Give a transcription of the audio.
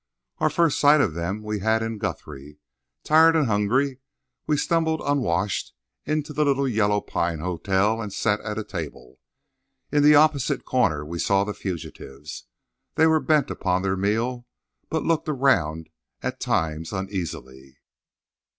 Our first sight of them we had in Guthrie. Tired and hungry, we stumbled, unwashed, into a little yellow pine hotel and sat at a table. In the opposite corner we saw the fugitives. They were bent upon their meal, but looked around at times uneasily.